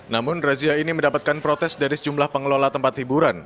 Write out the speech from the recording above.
namun razia ini mendapatkan protes dari sejumlah pengelola tempat hiburan